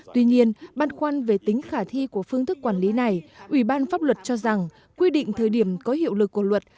tuy nhiên băn khoăn về tính khả thi của phương thức quản lý này ubthqh cho rằng quy định thời điểm có hiệu lực của luật